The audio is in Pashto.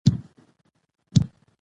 همدغه ګرانه